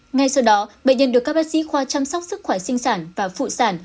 ngay sau đó bệnh nhân được các bác sĩ khoa chăm sóc sức khỏe sinh sản và phụ sản